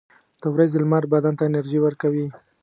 • د ورځې لمر بدن ته انرژي ورکوي.